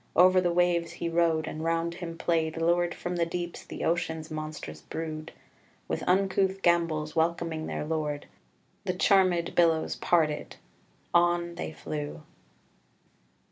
Over the waves he rode, and round him played, Lured from the deeps, the ocean's monstrous brood, With uncouth gambols welcoming their lord: The charmèd billows parted: on they flew."